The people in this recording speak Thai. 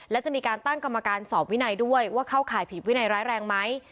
และจะมีการตั้งกรรมการสอบวินัยด้วยว่าเข้าข่ายผิดวินัยร้ายแรงไหม